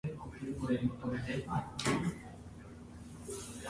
The chassis was mainly wood with a steel sub-frame carrying the main mechanical components.